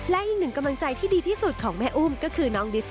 และอีกหนึ่งกำลังใจที่ดีที่สุดของแม่อุ้มก็คือน้องดิส